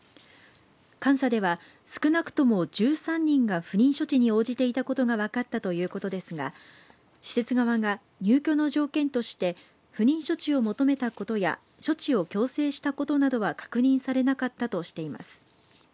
監査では少なくとも１３人が不妊処置に応じていたことが分かったということですが施設側が入居の条件として不妊処置を求めたことや処置を強制したことなどは確認されなかったとしています。